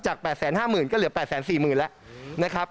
จากแปดแสนห้าหมื่นก็เหลือแปดแสนสี่หมื่นแล้วนะครับ